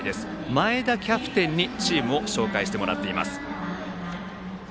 前田キャプテンにチームを紹介してもらっています。